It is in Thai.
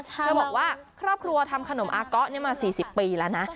เธอบอกว่าครอบครัวทำขนมอาเกาะมา๔๐ปีแล้วนะ